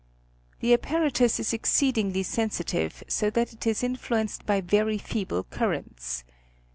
The apparatus is exceedingly sensitive so that it is influ enced by very feeble currents.